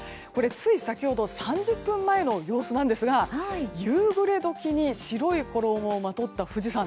つい先ほど３０分前の様子なんですが夕暮れ時に白い衣をまとった富士山。